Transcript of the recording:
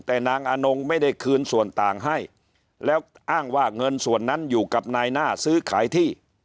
แต่นางอนงไม่ได้คืนส่วนต่างให้แล้วอ้างว่าเงินส่วนนั้นอยู่กับนายหน้าซื้อขายที่